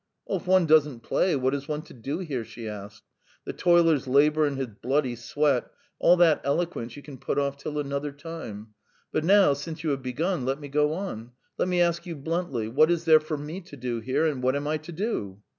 "If one doesn't play, what is one to do here?" she asked. "The toiler's labour and his bloody sweat all that eloquence you can put off till another time; but now, since you have begun, let me go on. Let me ask you bluntly, what is there for me to do here, and what am I to do?"